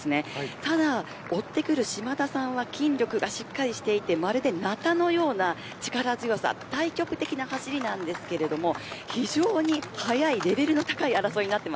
ただ追ってくる嶋田さんは筋力がしっかりしていてまるで、なたのような力強さ、対極的な走りですが非常に速いレベルの高い争いです。